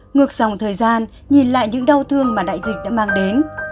ngược dòng thời gian nhìn lại những đau thương mà đại dịch đã mang đến